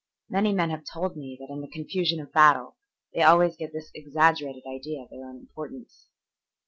Many men have told me that in the confusion of battle they always get this exaggerated idea of their own importance.